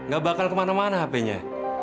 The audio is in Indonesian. gak bakal kemana mana handphonenya